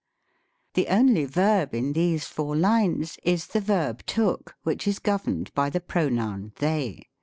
The only verb in these four lines is the verb iookj which is governed by the pronoun they.